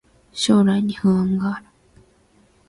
将来に不安がある